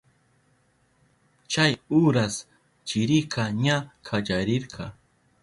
Chay uras chirika ña kallarirka.